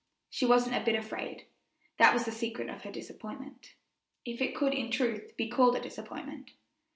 She wasn't a bit afraid; that was the secret of her disappointment, if it could in truth be called a disappointment.